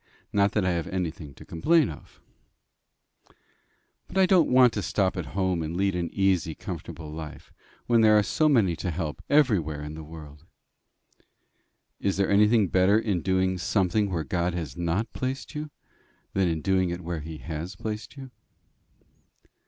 Not that I have anything to complain of." "But I don't want to stop at home and lead an easy, comfortable life, when there are so many to help everywhere in the world." "Is there anything better in doing something where God has not placed you, than in doing it where he has placed you?"